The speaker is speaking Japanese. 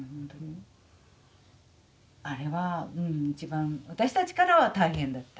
あれは一番私たちからは大変だった。